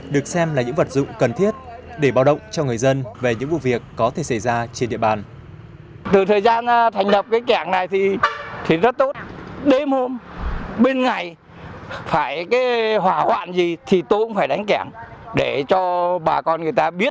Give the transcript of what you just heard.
được xem là những vật dụng cần thiết để bảo động cho người dân về những vụ việc có thể xảy ra trên địa bàn